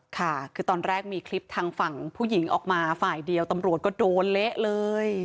ค่ะคือตอนแรกมีคลิปทางฝั่งผู้หญิงออกมาฝ่ายเดียวตำรวจก็โดนเละเลย